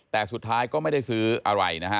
แต่สุดท้ายก็ไม่ได้ซื้ออะไรนะฮะ